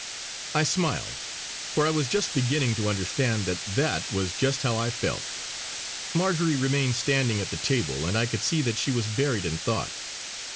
I smiled, for I was just beginning to understand that that was just how I felt. Marjory remained standing at the table, and I could see that she was buried in thought.